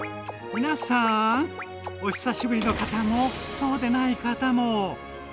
皆さん！お久しぶりの方もそうでない方も。